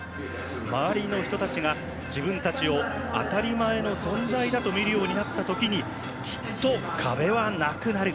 周りの人たちが自分たちを当たり前の存在だと見るようになったとききっと壁はなくなる。